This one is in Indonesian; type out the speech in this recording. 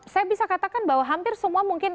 saya bisa katakan bahwa hampir semua mungkin